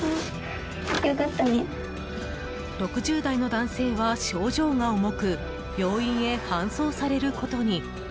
６０代の男性は症状が重く病院へ搬送されることに。